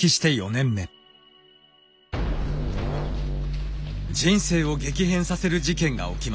人生を激変させる事件が起きました。